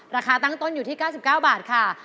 ตั้งต้นอยู่ที่๙๙บาทค่ะ